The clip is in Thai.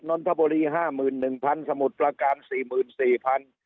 นนทบุรีห้าหมื่นหนึ่งพันสมุทรประการสี่หมื่นสี่พัน